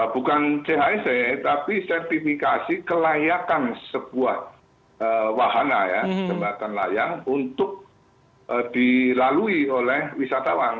bukan chse tapi sertifikasi kelayakan sebuah wahana ya jembatan layang untuk dilalui oleh wisatawan